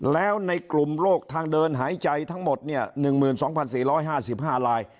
แล้วในกลุ่มโรคทางเดินหายใจทั้งหมด๑๒๔๕๕ลาย